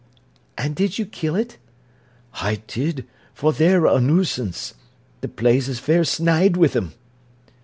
"And did you kill it?" "I did, for they're a nuisance. The place is fair snied wi' 'em."